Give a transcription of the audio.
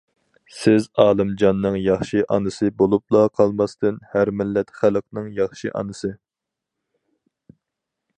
سىز ئالىمجاننىڭ ياخشى ئانىسى بولۇپلا قالماستىن، ھەر مىللەت خەلقنىڭ ياخشى ئانىسى.